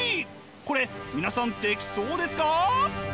これ皆さんできそうですか？